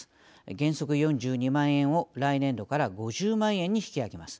原則４２万円を来年度から５０万円に引き上げます。